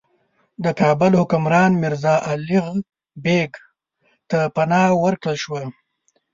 د کابل حکمران میرزا الغ بېګ ته پناه ورکړل شوه.